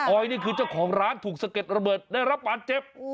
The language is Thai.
อยนี่คือเจ้าของร้านถูกสะเก็ดระเบิดได้รับบาดเจ็บ